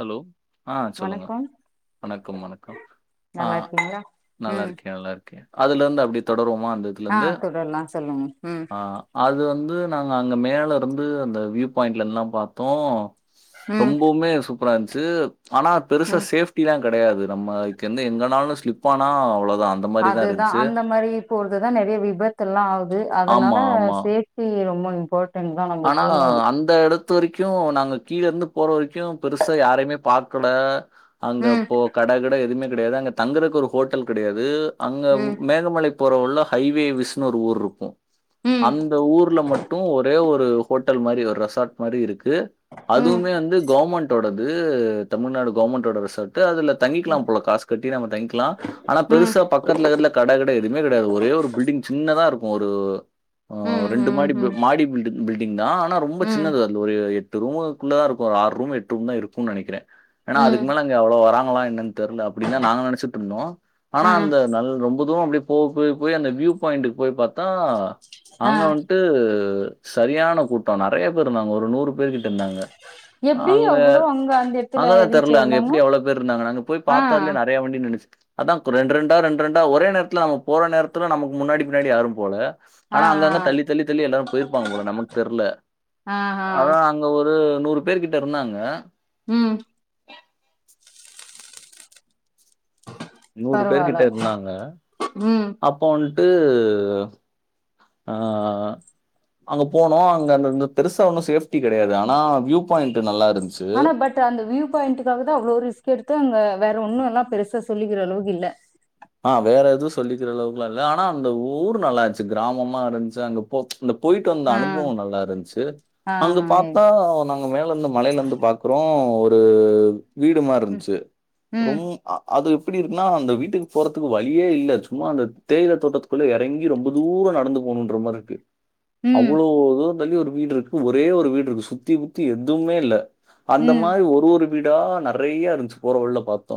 Hello ஆ சொல்லுங்க வணக்கம் வணக்கம் வணக்கம் ஆ நல்லா இருக்கீங்களா நல்லா ம் இருக்கே நல்லா இருக் அதுலருந்து அப்டி தொடருவோமா ஆ இதுலருந்து? தொடரலா சொல்லுங்க ம் ஆ அது வந்து நாங்க அங்க மேல இருந்து அந்த வியூ பாயிண்ட்லலா பாத்தோ ம் ரொம்பவுமே சூப்பரா இருந்துச்சு ஆனா பெருசா ம் சேஃப் டிலா கெடையாது நம்மகு எங்க எங்கனாலு ஸ்லிப் ஆனா அவ்ளோதா அந் அதுதா அந்த மாரி போறதுதா நெறைய விபத்துல்லா ஆகுது அதனால ஆமா, ஆமா. சேஃப் டி ரொம்ப இம்பார்ட் ஆனா அந் ந்த எடத்து வரைக்கு நாங்க கீழ இருந்து போற வரைக்கு பெருசா யாரையுமே பாக்கல ம் அங்கப்போ கட கிட எதுமே கெடையாது அங்க தங்கறக்கு ஒரு ஹோட்டல் கெடையாது அங்க ம் மேகமலைப் போற உள்ள ஹைவே விஷ்ணு ஒரு ஊர் இருக்கு ம் அந்த ஊர்ல மட்டு ஒரே ஒரு ஒரு ஹோட்டல் மாரி ஒரு ரெசார்ட் மாரி இருக்கு ம் அதுமே வந்து கவுமௌண்ட் டோடது தமிழ்நாடு கவுமௌண்டோட ரெசாட் அதுல தங்கிக்கலா ம் போல காஸ் கட்டி நம்ம தங்கிகலா ஆனா ம் பெருசா பக்கத்துல இருக்ல கட கிட எதுவுமே கெடையாது ஒரே ஒரு பில்டிங் சின்னதா இருக்கு ஒரு உ ரெண்டு ம் மாடி ம் மாடி பில் பில்டிங் தா ஆனா ரொம்ப ம் ம் சின்னது ஒரு எட்டு ரூமுக்குக்குள்ள தா இருக்கு ஒரு ஆறு ரூம் எட்டு ரூம் தா இருக்கும்னு நெனைக்கிறே ஏனா ம் அதுக்கு மேல அங்க அவ்ள வராங்களா என்னன்னு தெரியல அப்டிதா நாங்க நெனச்சிட்டுருந்தோ ஆனா ஆ அந்த நல் ரொம்ப தூர அப்டியே போக போய் போய் அந்த வியூ பாயிண்ட்டுக்கு போய் பாத்தா ஆ அங்க வந்து து சரியான கூட்டோ நெறய பேர் இருந்தாங்க ஒரு நூறு பேர் கிட்ட இருந்தாங்க எப்டி அங்க அவ்ளோ அங்க அந்த எடத்துல அங்கதா ரீச் தெர்ல அங்க ஆயிருந்தாங்க எப்டி அவ்ளோ பேர் இருந்தாங்கன்னு அங்க போய் ஆ பாத்தாலே நெறய வண்டி நின்னுச்சு அதா ரெண்ரெண்டா ரெண்ரெண்டா ஒரே நேரத்துல நம்ம போற நேரத்துல நமக்கு முன்னாடி முன்னாடி யாரும் போல ஆ ஆனா அங்க அங்க தள்ளி தள்ளி தள்ளி எல்லாரு போய் ருப்பாங்க போல நமக்கு தெரில ஆ ஆ அதா அங்க ஒரு நூறு பேர் கிட்ட இருந்தாங்க ம் நூறு பேரு கிட்ட பரவால்ல இருந்தாங்க ம் அப்போ வந்ட்டு ஆ அங்க போனோ அங்க அந்த பெருசா ஒன்னு சேஃப்டி கெடையாது ஆனா வியூ பாயிண்ட் நல்லா இருக் ஆனா பட் அந்த வியூ பாயிண்டுக்காக அவ்ளோ ரிஸ்க் எடுத்து அங்க வேற ஒன்னு எல்லா பெருசா சொல்லிக்கிற அளவுக்கு இல்ல ஆ வேற எதுவு சொல்லிக்கிற அளவுக்குல்லா இல்ல ஆனா அந்த ஊரு நல்லாருந்துச்சு கிராமமா இருந்துச்சு அங்க இந்த போயிட்டு வந்த ஆ அனுபவ நல்லாருந்துச்சு ஆ அங்க ஆ ஏ பாத்தா நாங் க மேல இருந்த மலையில இருந்து பாக்குறோ ஒரு வீடு ம் மாரின்ச்சு ம் ரொம் அது எப்டி இருக்குனா அந்த வீட்டுக் போறதுக்கு வழியே இல்ல சும்மா அந்த தேயில தோட்டத்துக்குள்ள எறங்கி ரொம்ப தூரோ நடந்து போணுன்ற மாரி இருக்கு ம் அவ்ளோ இத தள்ளி ஒரு வீடு இருக்கு ஒரே ஒரு வீடு இருக்கு சுத்தி முத்தி எதுவுமே இல்ல அந்த ம் மாரி ஒரு ஒரு வீடா நெறய இருந்துச்சு போற வழில பாத்தோ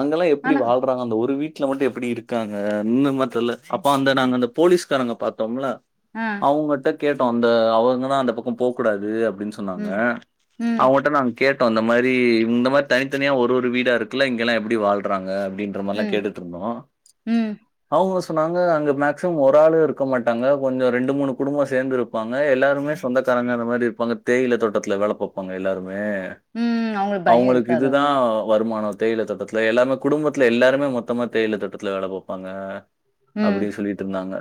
அங்கல்லா எப்டி ஆனா வாழ் றாங்க அந்த ஒரு வீட் வீட்ல மட்டு எபபிடி இருக்காங்க இன்னுமாத் தெர்ல அப்போ அந்த நாங்க அந்த போலீஸ்காரங்க பாத்தோம்ல ஆ அவுங்கட்ட கேட்டோ அந்த அவுங்க தா அந்த பக்கோ போக் கூடாது அப்டின் சொன்னாங்க ம் ம் அவுங்கட்ட நாங் கேட்டோ இந்த மாரி இந்த மாரி தனித்தனியா ஒரு ஒரு வீடா இருக்குல இங்கெல்லா எப்டி வாழ்றாங்க அப்டின்ற மாரிலா ம் கேட்டுட் ம் [unintelligible] அவுங்க சொன்னாங்க அங்க மேக்சிம ஒரு ஆளு இருக்க மாட்டாங்க கொஞ்சோ ரெண்டு மூணு குடும்பம் சேந்து இரு ப்பாங்க எல்லாருமே சொந்தக்காரங்க அந்த மாரி இருப்பாங்க தேயில தோட்டத்துல வேல பாப்பாங்க எல்லாருமே ம் அவங்களுக்கு பயோ அவுங்களுக்கு இருக்காது இதுதா அவ்ளவா வருமானோ தேயில தோட்டத்துல எல்லாமே குடும்பத்துல எல்லாருமே மொத்தமா தேயில தோட்டத்துல வேல பாப்பாங்க ம் அப்டி சொல்லிட்டு இருந்தாங்க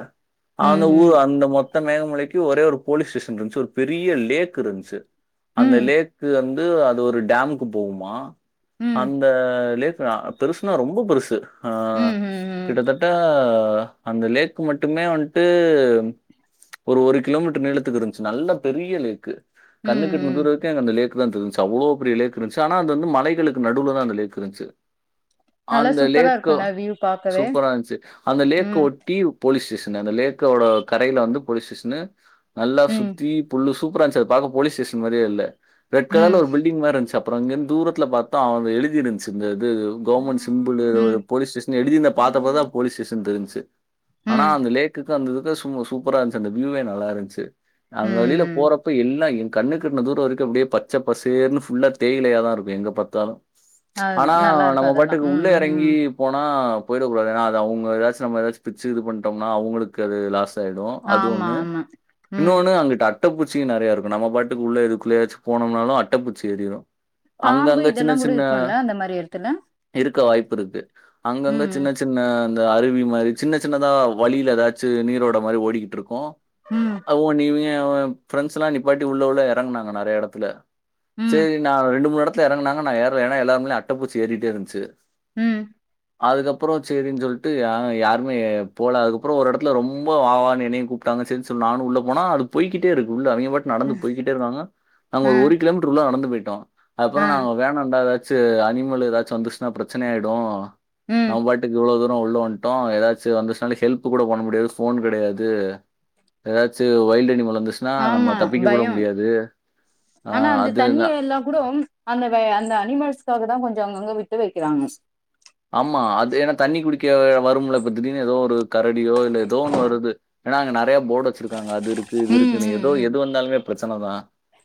அந்த ம்ஹும் ஊர் அந்த மொ த மேகமலைக்கு ஒரே ஒரு போலீஸ் ஸ்டேஷன் இருந்துச்சு ஒரு பெரிய லேக் இருந்துச்சு அந்த ம் லேக் வந் து அது ஒரு டேமுக்கு போகுமா ம் அந்த லே ஆ பெருசுனா ரொம்ப பெருசு ஆ ம்ஹும் ம் கிட்டத்தட்ட அந்த லேக் மட்டுமே வன்ட்டு ஒரு ஒரு கிலோமீட்டர் நீளத்துக்கு இருந்துச்சு நல்ல பெரிய லேக்கு ம் கண்ணுக்கு எட்ன ம் தூர வரைக்கு அந்த லேக் ல்லா தெருஞ்சு அவ்ளோ பெரிய லேக் இருந்ச்சு ஆனா அது வந்து மலைகளுக்கு நடுவுல தா அந்த லேக் இருந்ச்சு நல்லா சூப்பரா இரு ஒ சூப்பரா இருந்த்ச்சு அந்த லேக்க ம் ஒட் டி போலீஸ் ஸ்டேஷனு அந்த லேக்கோட கரையில வந்து போலீஸ் ஸ்டேஷனு நல்லா ம் சுத்தி புல்லு சூப்ரா இருந்த்ச்சு அது பாக்க போலீஸ் ஸேஷன் மாரியே இல்ல ரெட் கலர்ல ம் ஒரு பில்டிங் மாரி இருந்த்ச்சு அ அப்புற அங்கேருந்து தூரத்துல பாத்தா அத எழுதிருந்துச்சு இந்த இது கவுர்மெண்ட் சிம்பிளு ம் போலீஸ் ஸஷேன்னு எழுதிருந்த பாத்தப்ற தா போலீஸ் ஸஷேன்னு தெரிஞ்சுச்சு ஆனா ம் அந்த லேக்குக்கு அந்த இதுக்கு சும்மா சூப் ப்பறா இருந்துச்சு அந்த வியூவே நல்லா இருந்துச்சு ம் அங்க வெளில ம் போறப்ப எல்லா கண்ணுக்கு எட்ன தூர வரைக்கு அப்டியே பச்சப் பசேர்ன்னு ஃபுல்லா தேயிலையாதா இருக்கு எங்க பாத்தாலு அது ஆனா நல்லா இருக்கு நம்ம அதெல்லா பாட்டுக்கு உள்ள ம் எறங்கி ம் போனா போயிட கூடாது ஏனா அது அவுங்க ஏதாச்சு நம்ம ஏதாது பிச்சு இது பண்ணிட்டோம்னா அவுங்களுக்கு அது லாஸ் தாயிடு அது ஆமா ஒண்ணு ஆமா ம் இன்னொனு அங்குட்டு அட் ட்டப்பூச்சியும் நெறய இருக்கு நாம பாட்டுக்கு உள்ள எதுக்குள்ளயாச்சு போனோம்னாலு அட்டப்பூச்சி ஏரிரும் பாம்பு இதெல்லாங்கூட இருக்குல்ல அந்த மாரி எடத்துல இருக்க வாய்ப்பு இருக்கு அங்கங்க ம் சின்ன சின்ன இந்த அருவி மாரி சின்ன சின்னதா வழியில ஏதாச்சு நீரோட மாதிரி ஓடிக்கிட்டு இருக்கு ம் அவோ நீ இவிங்க பிரெண்ட்ஸ் எல்லா நிப்பாட்டி உள்ள உள்ள எறங்குனாங்க நெறய எடத்துல ம் சேரி நா ரெண்டு மூணு இடத்துல எறங்கினாங்க நா ஏற ஏனா எல்லாரும்ல அட்டப்பூச்சி ஏறிட்டிட்டே இருந்துச்சு ம் அதுக்கப்புறோ சேரின்னு சொல்ட்டு யா யாருமே போல அதுக்கப்புறோ ஒரு இடத்துல ரொம்ப வா வா னு என்னையு கூப் டாங்க சேனு சொல் நானு உள்ள போனா அது போய்கிட்டே இருக்கு உள்ள அவங்க பாட் நடந்து ம் போய்கிட்டே இருக்காங்க நாங்க அ ஒரு ஒரு கிலோமீட்டர் உள்ள நடந்து போயிட்டோ அ அப்றோ நா வேணான்டா எதாச் சு அனிமல் ஏதாச்சு வந்துருச்சுன்னா பிரச்சனை ஆயிடு ம் நம்ம பாட்டுக்கு இவ்ளோ தூரம் உள்ள வந்ட்டோ ஏதாச்சு வந்துச்சுனால ஹெல்ப் கூட பண்ண முடியாது போ கெடையாது ஏதாச்சு வைல்டு அனிமல் வந்துச் ஆமா பயம் ஆ ஆனா அந்த அது தண்ணி எல்லா கூடோ அந்த வ அந்த அனிமல்ஸ்காக தா கொஞ்சோ அங்கங்க விட்டு வக்கிறாங்க ஆமா அது ஏனா தண்ணி குடிக்க வரும்ல திடிர்னு ஏதோ ஒரு கரடியோ இல்ல ஏதோ ஒண்ணு வருது ஏனா அங்க நெறய போர்டு வச்சிருக்காங்க அது இருக்கு இது ம் இருக்குன்னு ஏதோ ம் எது வந்தாலுமே பிரச்சனை தா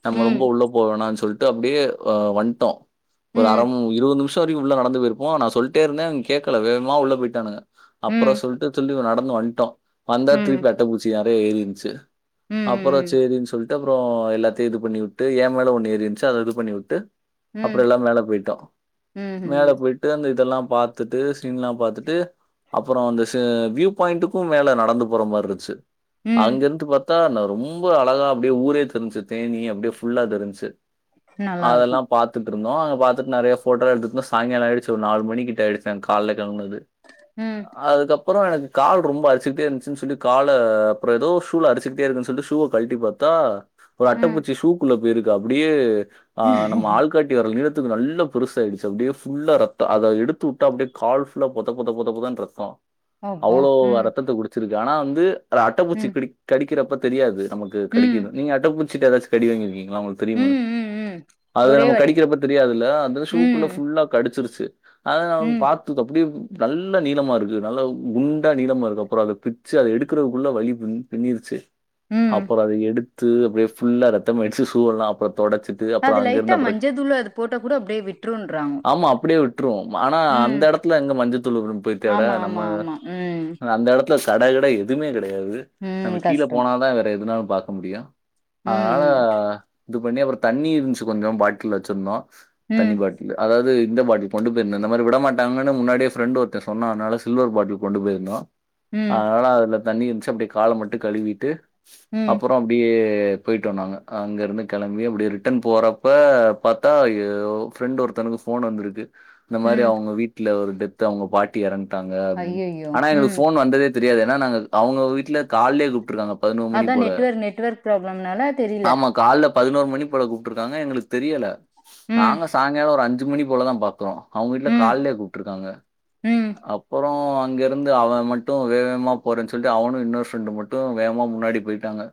நம்ம ரொம்ப ம் உள்ள போ வேனான்னு சொல்ட்டு அப்டியே வன்ட்டோ ஒரு அர ம் இருவது நிமிஷ் த்தரி உள்ள நடந்து போயிருப்போ நா சொல்ட்டே இருந்தே அவங் கேக்கல வேமா உள்ள போயிட்டானுக அப்பறோ ம் சொல்ட்டு சொல்லி நடந்து வந்ட்டோ வந்தா ம் திருப்பி அட்ட பூச்சி நறையா ஏறிருந்ச்சு ம் அப்பறோ ம் சேரின் சொல் டப்றோ எல்லாத்தையு இது பண்ணி உட்டு என் மேல ஒண்ணு ஏறிருந்ச்சு அத இது பண்ணி விட்டு ம் அப்பறோ எல்லா மேல போய்ட்டோ ம் மேல ம் போய்ட்டு அந்த இதெல்லாம் பாத்துட்டு சீன்லாம் பாத்துட்டு அப்பறோ அந்த ச வியூ பாயிண்ட்டுக்கு மேல நடந்து போற மாருந்ச்சு ம் அங்கிருந்து பாத்தா ந ரொம்போ அழகா அப்டியே ஊரே தெரிஞ்ச்சு தேனி அப்டியே ஃபுல்லா தெரிஞ்ச்சு நல்லா இருக்கு அதல்லாம் பாத்துட்ருந்தோ அங்க பாத்துட் நறையா ஃபோட்டோ எத்துட்னோ சாய்ங்காலோ ஆயிடுச்சு ஒரு நாலு மணிக்கு கிட்ட ஆய்டுச்சு நாங் கால்ல கெலம்பனது ம் அதுக்கப்பறோ எனக்கு கால் ரொம்ப அரிச்சுக்ட்டே இருந்ச்சுன் சொல்லி கால அப்பற எதோ ஷீல அரிச்சுக்ட்டே இருக்குன் சொல்ட்டு ஷூவ கழ்ட்டி பாத் தா ஒரு அட்ட ம் பூச்சி ஷூகுள்ள போயிருக்கு அப்படியே அ நம்ம ஆள்காட்டி வெரல் நீலத்துக்கு நல்ல பெருசாயிடுச்சு அப்டியே ஃபுல்லா ரத்த அத எடுத்து உட்டா அப்டியோ கால் ஃபுல்லா பொத பொத பொத பொதன் ரத்தோ அப்பா அவ்வளோ ம் ரத்தத்த குடிச்சிருக்கு ஆனா வந்து அட்டப்பூச்சி ம் கடிக் கடிக்கறப்ப தெரியாது நமக்கு ம் கடிக்குது நீங்க அட்டப்பூச்சிட்ட எதாச்சு கடி வாங்கிருக்கீங்களா உங்களுக் தெரியுமா ம் ம் ம் அது ஒரே நம்ம வாட்டி கடிக்கிறப்ப தெரியாதுல்ல ம் ஷூக்குள்ள ஃபுல்லா கடிச்சிருச்சு அது ந ம் பா துக் அப்டியே நல்லா நீளமா இருக்கு நல்ல குண்டா நீளமா இருக்கு அப்பறோ அத பிச்சு அத எடுக்கறதுக்குள்ள வலி பின்னிருச்சு ம் அப்பறோ அத எடுத்து அப்படியே ஃபுல்லா ரத்தமாயிட்ச்சு ஷூ எல்லா அப்பற தொடச்சு அது லைட்டா மஞ்சதூளு அது போட்ட கூட அப்டியே விட்ருன்றாங்க ஆமா அப்படியே விட்டுருவோம். ஆனா ம் அந்த எடத்துல எங்க மஞ்சத்தூளு போயி தேட ஆமா நம்ம ஆமா ஆமா ம் அந்த எடத்துல சட கிட எதுவுமே கெடையாது ம் நம்ம கீழ கஷ்டோ போனாதா வேற எதுனாலு பாக்க முடியு ம் அனால இது பண்ணி அப்பறோ தண்ணி இருந்ச்சு கொஞ்சோ பாட்டில் வச்சிருந்தோ ம் தண்ணி பாட் இலு அதாவது இந்த பாடி கொண்டு போயிருந்த இந்த மாறி விட மாட்டாங்கன்னு முன்னாடியே ஃரெண்டு ஒருத்த சொன்னனால சில்வர் பாட்டில் கொண்டு போயிருந்தோ ம் அதனால அதுல தண்ணி இருந்ச்சு அப்டியே கால மட்டு கழுவிட்டு ம் அப்பறோ அப்டியே போய்ட்டோ நாங்க அங்கிருந்து கெளம்பி அப்டி ரிட்டன் போறப்ப பத் தா ஏ ஃப்ரெண்ட் ஒருத்தனுக்கு ஃபோன் வந்திருக்கு இந்த மாதரி ம் அவுங்க வீட்ல ஒரு டெத்து அவுங்க பாட்டி எறன்ட்டாங்க அப்டின் ஐயையோ ஆனா எங்களுக்கு ம் ஃபோன் வந்ததே தெரியாது ஏன்னா நாங்க அவுங்க வீட்ல காலே கூப்ட்ருக்காங்க பதினோறு மணி அதா போல நெட்வொர்க் நெட்வொர்க் ப்ராப்ளம்னால தெரில ஆமா கால்ல பதினோரு மணி போல கூப்ட்ருக்காங்க எங்களுக்கு தெரியல ம் நாங்க சாய்ங்காலோ ஒரு அஞ்சு மணி போல தா பாத்தோ அவுங்க வீட்ல ம் காலே கூப்ட்ருக்காங்க ம் அப்பறோ அங்க இருந்து அவன் மட்டு வே வேகமா போறன் சொல்ட்டு அவனு இன்னொரு ஃப்ரெண்டு மட்டு வேகமா முன்னாடி போய்ட்டாங்க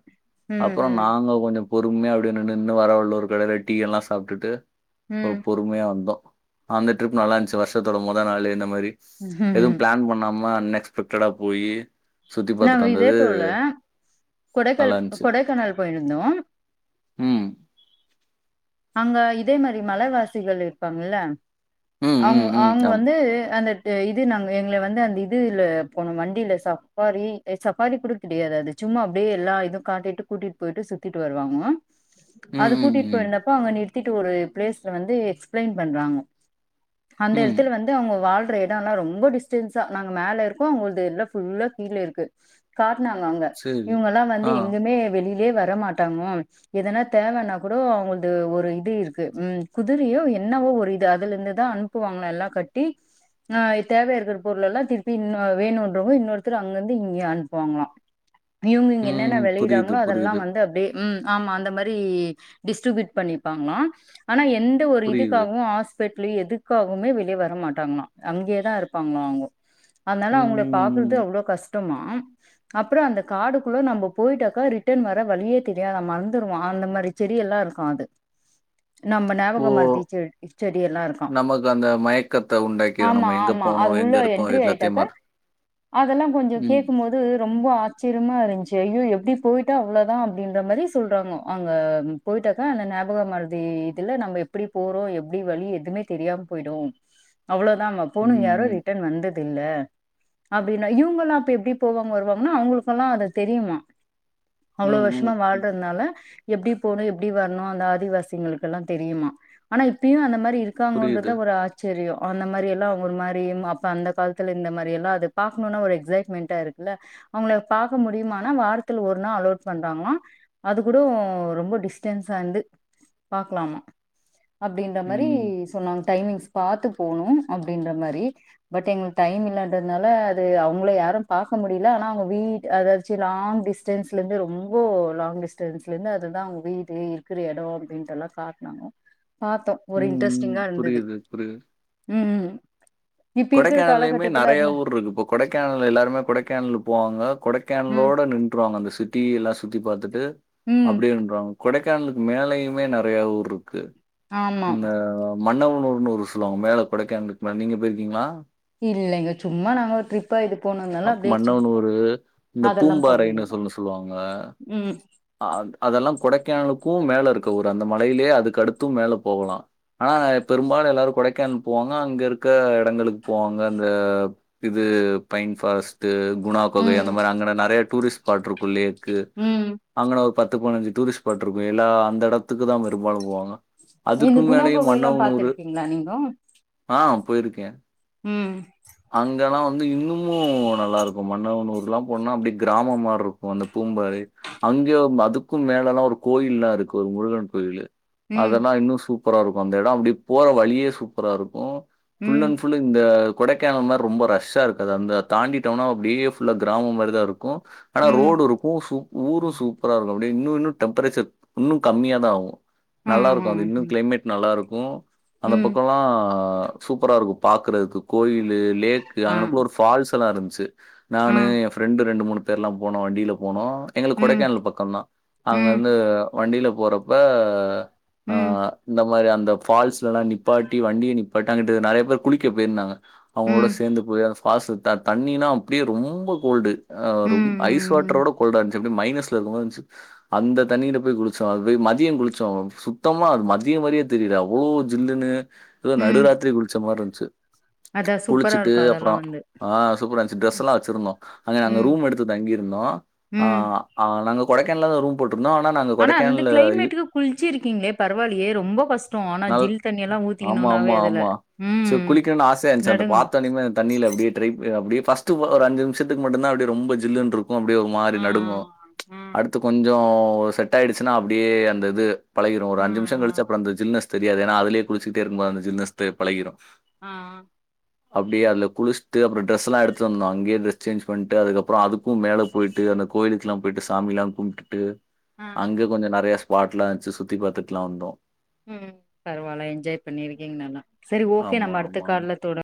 ம் அப்பறோ ம் நாங்க கொஞ்சொ பொறுமையே அப்டி நின்னு நின்னு வரவழில ஒரு கடைல டீ எல்லா சாப்டுட்டு ஒரு ம் பொறுமையா வந்தோ அந்த ட்ரிப் நல்லார்ன்ச்சு வருஷத்தோட மொத நாளே இந்த மாரி எதுவு ம் பிளான் பண்ணாம அன்னெக்ஸ் பக்டடா போயி சுத்தி நாங்க பார்த்துட்டு இதே வந்தது போல கொடைக்கல் நல்லா இருந்துச்சு. கொடைக்கானால் போயிருந்தோ ம். அங்க இதே மாரி மலைவாசிகள் இருப்பாங்கல்ல ம், அவுங்க ம், ம். அவுங்க ஆமா. வந்து அந்த இது நாங்க எங்கள வந்து அந்த இதுல போணோ வண்டில சாப் பாரி எ சப்பாரி கூட கெடையாது அது சும்மா அப்டியே எல்லா இது காட்டிட்டு கூட்டிட்டு போயிட்டு சுத்திட்டு வருவாங்கோ அது ம், ம், கூட்டிட் ம். போயிருந்தப்போ அங்க நிர் திட்டு ஒரு பிளேஸ்ல வந்து எக்ஸ்ப்ளைன் பண்றாங்கொ அந்த ம். எடத்துல வந்து அவுங்க வாழ்ற எ டலா ரொம்போ டிஸ்டன்ஸா நாங்க மேல இருக்கோ அவுங்கல்து எல்லா ஃபுல்லா கீழ இருக்கு காட்னாங்க அங்க சரி. இவுங்கல்லா வந்து ஆ. எங்குமே வெளிலயே வர மாட்டாங்கோ எதனா தேவன்னா கூடோ அவுங்கள்து ஒரு இது இருக்கு ம் குதிரயோ என்னவோ ஒரு இது அதுலிருந்துதா அன் ப்புவாங்கலா எல்லா கட்டி ஆஹ் தேவையா இருக்குற பொருள் எல்லா திருப்பி இன்னொ வேணுன்றவுங்க இன்னொரு த்துரு அங்கிருந்து இங்கேயே அனுப்புவாங்களா இவுங்க இங்க ம். என்னென புரியுது, வெளயிறாங்களோ அதல்லா புரியுது, வந்து அப்டியே ம் ஆமா அந்த மாதிரி டிஸ்ட்ரிபியூட் பண்ணிப்பாங்கலா ஆனா எந்த எந்த ஒரு புரியுது. இதுக்காகவும் ஹாஸ்பிட்டலு எதுக்காகவுமே வெளிய வர மாட்டாங்களாம் அங்கேதான் இருப்பாங்களாம் அவங்க அதனால ம். அவங்கள ம், பாக்குறது ம். அவ்வளோ கஷ்டமாம் அப்புறம் அந்த காடுக்குள்ள நம்ம போயிட்டாக்கா ரிட்டர்ன் வர வழியே தெரியாதாமா மறந்துடுமா அந்த மாதிரி செடி எல்லாம் இருக்கும் அது நம்ம ஓ! ஞாபகமறதி செடி செடி எல்லாம் இருக்காம் நமக்கு அந்த மயக்கத்த உண்டாக்கிரு ஆமா நம்ம எங்க ஆமா போனோ அது உள்ள எங்க இருக்கோ என்ட்ரி எல்லாத்தையும் ஆயிட்டாக்க மற அதெல்லாம் கொஞ்சம் கே ம் கேட்கும்போது ரொம்ப ஆச்சரியமா இருந்துச்சு ஐயோ எப்படி போயிட்டா அவ்வளதான் அப்படின்ற மாதிரி சொல்றாங்கோ அங்க போயிட்டாக்கா அந்த ஞாபக மருதி இதுல நம்ம எப்படி போறோம் எப்படி வழி எதுவுமே தெரியாம போயிடும் அவ்ளோதான் போணவங்க யாரும் ம் ரிட்டர்ன் வந்தது இல்ல அப்படின்னா இவங்க எல்லாம் அப்ப எப்படி போவாங்க வருவாங்கன்னா அவங்களுக்கெல்லாம் அது தெரியுமா அவ்வளோ ம் ம் வருஷமா வாழ்றதுனால எப்படி போகணும் எப்படி வரணும் அந்த ஆதிவாசிங்களுக்கெல்லாம் தெரியுமா ஆனா இப்பயும் அந்த மாதிரி இருக் புரியுது. இருக்காங்கன்றதான் ஒரு ஆச்சரியம் அந்த மாதிரி எல்லாம் ஒரு மாதிரியும் அப்ப அந்த காலத்தில இந்த மாதிரி எல்லாம் அது ப பாக்கணும்னா ஒரு எக்சைட்மெண்டா இருக்குல்ல அவங்கள பாரக்க முடியுமானா வாரத்துல ஒரு நாள் அலோட் பண்றாங்களா அது கூட ரொம்ப டிஸ்டன்ஸ் ஆ இருந்து பாக்கலாமா அப்படின்ற ம் மாரி ம் டைமிங்ஸ் பாத்து போகணும் அப்டிண்ர மாதிரி பட் எங்களுக்கு டைம் இல்லன்றனால அவங்கள யாரும் பார்க்க முடியல ஆனா அவங்க வீ அதச்சு லாங் டிஸ்டன்ஸ்லருந்து ரொம்ப லாங் டிஸ்டன்ஸ்லருந்து அதுதான் அவங்க வீடு இருக்கிற இடம் அப்படின்றதல்லாம் காட்டினாங்க பார்த்தோம் ஒரு ம் இன்ட்ரெஸ்டிங்கா இருந்தது புரியுது புரியுது. உம்ம்ம் கொடைக்கானலயுமே நிறைய ஊர் இருக்கு போ கொடைக்கானல் எல்லாருமே கொடைக்கானல் போவாங்க ம் கொடைக்கானலோட நின்றுவாங்க அந்த சிட் சிட்டி எல்லாம் சுத்தி பார்த்துட்டு ம் அப்டியே நின்றுவாங்க கொடைக்கானலுக்கு மேலயுமே நிறைய ஊர் இருக்கு ஆமா இந்த மன்னவனூர்னு ஊர் சொல்லுவாங்க மேல கொடைக்கானலக்கு மேல நீங்க போயிருக்கீங்களா இல்லங்க சும்மா நாங்க ஒரு டிரிப் டிரிபா இது போனங்க அ மன்னவனூரு இந்த பூம்பாறைனு போனதில்ல சொல்ல சொல்லுவாங்க ம் அ அதெல்லாம் கொடைக்கானலுக்கும் மேல இருக்க ஊரு அந்த மலையிலேயே அதுக்கு அடுத்தும் மேல போகலாம் ஆனா பெரும்பாலும் எல்லாரும் கொடைக்கானலுக்கு போவாங்க அங்க இருக்க இடங்களுக்கு போவாங்க அந்த இது பயன் ஃபர்ஸ்ட்டு குணா குகை ம் அந்த மாதிரி அங்க நிறைய டூரிஸ்ட்ப்பாட் இருக்கும் லேக் ம் அங்கன பத்து பனஞ்சு டூரிஸ்ட் பாட்டிருக்கோ எல்லா அந்த இடத்துக்கு தான் பெரும்பாலும் போவாங்க இந்த அதுக்கு குணா மேலயே குகையெல்லாம் மன்னவனூர் பாத்துருக்கீங்களா நீங்கோ ஆ போயிருக்கேன் ம் அங்கல்லாம் வந்து இன்னும் ம் நல்லா இருக்கும் மன்னவனூர் எல்லாம் போனா அப்டியே கிராமம் மாதிரி இருக்கும் அந்த பூம்பாறை அங்கே அதுக்கும் மேல எல்லாம் ஒரு கோயில் எல்லாம் இருக்கு ஒரு முருகன் கோயிலு ம் அதெல்லாம் இன்னும் சூப்பரா இருக்கும் அந்த இடம் அப்டியே போற வழியே சூப்பரா இருக்கும் ஃல் ம் அண்ட் ஃபுல்லு இந்த கொடைக்கானல் ரொம்ப ரஷ்ஷா இருக்கும் அந்த தாண்டி டவுனா அப்படியே ஃபுல்லா கிராமம் மாதிரி தான் இருக்கும் ஆனா ம் ரோடு இருக் கும் ஊரும் சூப்பராக இருக்கும் அப்படியே இன்னும் இன்னும் டெம்பரேச்சர் இன்னும் கம்மியாக தான் ஆகும் ஆ நல்லா ஆ இருக்கும் அது இன்னும் கிளைமேட் நல்லா இருக்கும் அந்த ம் பக்கம் எல்லாம் சூப்பரா இருக்கும் பாக்குறதுக்கு கோயில்லு லேக் ஆ அங்கனகுள்ள ஒரு ஃபால்ஸ் எல்லாம் இருந்துச்சு ஆ நானு என் ஃப்ரெண்டு ரெண்டு மூணு பேர் எல்லாம் போனோம் வண்டியில போனோம் எங்களுக்கு ம் கொடைக்கானல் பக்கம்தான் அங்க ம் வந்து வண்டியில போறப்ப அ ம் இந்த மாதிரி அந்த ஃபால்ஸ்லல்லாம் நிப்பாட்டி வண்டியே நிப்பாட்டி அங்கட்டு நிறைய பேர் குளிக்க போயிருந்தாங்க அவங்களோட ம் சேர்ந்து போய் அந்த பால்ஸ்ல தண்ணினா அப்படியே ரொம்ப கோல்டு ஆ ம் ரொம்ப ஐஸ் ம் வாட்டரோட கோல்டா இருந்துச்சு எப்படி மைனஸ்ல இருக்க மாதிரி இருந்துச்சு அந்த தண்ணியில போய் குளிச்சோம் அது போய் மதியம் குளிச்சோம் சுத்தமா அது மதியம் மாரியே தெரியல அவ்வளோ ஜில்லுன்னு அதா ம் நடுராத்திரி குளிச்ச மாரி இருந்ச்சு அதா சூப்பரா குளிச்சுட்டு இருக்கு அதெல்லா அப்றோ வந்து ஆ சூப்பரா இருந்ச்சு ட்ரெஸ் எல்லா வச்சிருந்தோ அங்க நாங்க ம் ரூம் எடுத்து தங்கிருந்தோ ஆ ம் ஆ நாங்க கொடைக்கானல்ல தா ரூம் போட்ருந்தோ ஆனா நாங்க ஆனா அந்த கொடைக்கானல்ல இ க்ளைமேட்டுக்கு குளிச்சு இருக்கீங்ளே பரவால்லையே ரொம்ப கஷ்டோ ஆனா நல்ல ஜில் தண்ணி எல்லா ஆமா ஊத்திக்கணும்னாவே ஆமா அதுல ஆமா சோ ம் குளிக்கணுன் ஆசையா இருஞ்ச்சு அத நடுங்கு பாத்தோனிமே தண்ணில அப்டியே ட்ரை அப்டியே ஃபஸ்ட்டு ஒரு அஞ்சு நிமிஷத்துக்கு மட்டுந்தா அப்டி ரொம்ப ஜில்லுன்ருக் போ முடியா ஒரு மாரி ஆ நடுங்கு ஆ அடுத்து கொஞ்சோ செட் ஆயிடுச்சுன்னா அப்டியே அந்த இது பழகிரு ஒரு ஆ ஆ அஞ்சு நிமிஷோ கழிச்சி அப்புறோ அந்த ஜில்னஸ் தெரியாது ஏனா அதலயே குளிச்சிட்டே இருக்கும் போது அந்த ஜில்னஸ் த பழகிரு ஆ அப்டியே அதுல குளிச் ட்டு அப்றோ டரெஸ் எல்லா எடுத்து வந்தோ அங்கயே ட்ரெஸ் சேஞ்ச் பண்ட்டு அதுக்கப்றோ அதுக்கு மேல போய்ட்டு அந்த கோயிலுக்குலா போய்ட்டு சாமிலா கும் டுட்டு ம் அங்க கொஞ்சோ நெறைய ஸ்பாட்லா இருஞ்ச்சு சுத்தி பாத்துட்லா வந்தோ ம் பரவால்ல என்ஜாய் பண்ணிருக்கீங்க நல்லா சரி ஓகே ஆமா, நம்ம அடுத்த ஆமா, ஆமா. கால்ல தொட